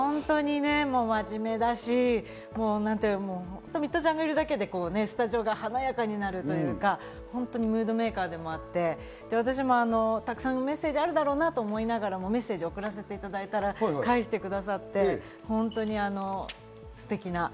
本当に真面目だし、ミトちゃんがいるだけでスタジオが華やかになるというか、ムードメーカーでもあって、私も沢山メッセージあるだろうなと思いつつ、メッセージ送ったら、返してくださって、本当にステキな。